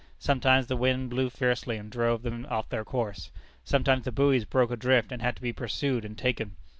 Sometimes the wind blew fiercely and drove them off their course. Sometimes the buoys broke adrift and had to be pursued and taken.